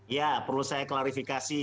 ya perlu saya klarifikasi